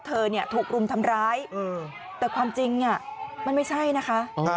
เธอเนี่ยถูกรุมทำร้ายแต่ความจริงมันไม่ใช่นะคะ